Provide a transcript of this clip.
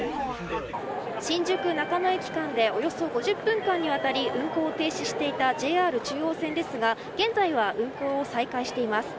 新宿中野駅間でおよそ５０分間にわたり運行を停止していたＪＲ中央線ですが現在は運行を再開しています。